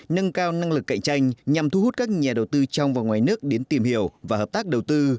nâng cao năng lực cạnh tranh nhằm thu hút các nhà đầu tư trong và ngoài nước đến tìm hiểu và hợp tác đầu tư